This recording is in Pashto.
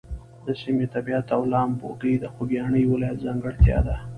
د سیمې طبیعت او لامبوګۍ د خوږیاڼي ولایت ځانګړتیا ده.